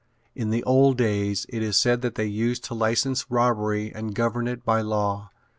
In the old days it is said that they used to license robbery and govern it by law.